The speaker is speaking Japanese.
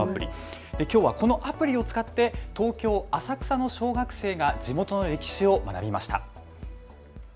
きょうはこのアプリを使って東京浅草の小学生が地元の歴史を学びました。